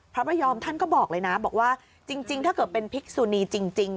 พระพยอมท่านก็บอกเลยนะบอกว่าจริงถ้าเกิดเป็นพิกษุนีจริง